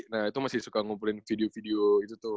nah itu masih suka ngumpulin video video itu tuh